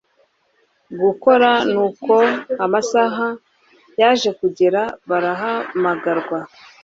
gukora………Nuko amasaha yaje kugera barahamagarwa